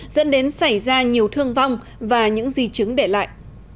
dẫn đến xảy ra nhiều thương vong và những di chứng để lại